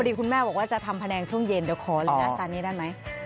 คุณแม่บอกว่าจะทำแผนงช่วงเย็นเดี๋ยวขอเลยนะจานนี้ได้ไหม